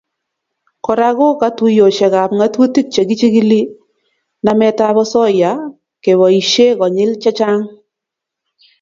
Kora ko katuiyosiekab ngatutik che chikili nametab osoya keboisie konyil chechang